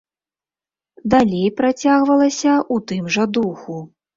Далей працягвалася ў тым жа духу.